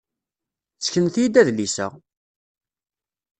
Seknet-iyi-d adlis-a!